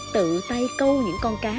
tự tay câu những con cá